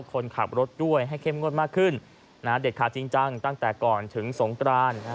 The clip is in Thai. คนขับรถด้วยให้เข้มงวดมากขึ้นเด็ดขาดจริงจังตั้งแต่ก่อนถึงสงกราน